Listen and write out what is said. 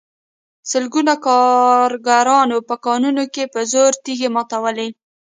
سلګونو کارګرانو په کانونو کې په زور تېږې ماتولې